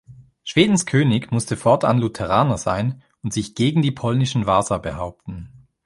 Schwedens König musste fortan Lutheraner sein und sich gegen die polnischen Wasa behaupten.